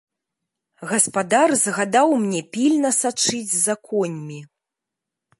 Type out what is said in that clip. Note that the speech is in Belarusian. Гаспадар загадаў мне пільна сачыць за коньмі.